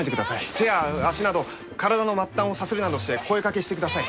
手や足など体の末端をさするなどして声かけしてください。